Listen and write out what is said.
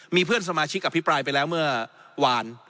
มีเพื่อนสมาชิกอภิปรายไปแล้วเมื่อวาน